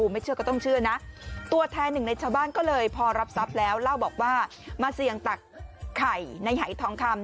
ไม่เชื่อก็ต้องเชื่อนะตัวแทนหนึ่งในชาวบ้านก็เลยพอรับทรัพย์แล้วเล่าบอกว่ามาเสี่ยงตักไข่ในหายทองคำ